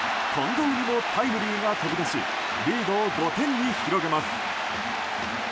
近藤にもタイムリーが飛び出しリードを５点に広げます。